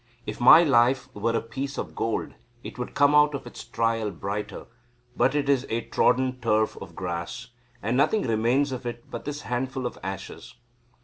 If my life were a piece of gold it would come out of its trial brighter, but it is a trodden turf of grass, and nothing remains of it but this handful of ashes."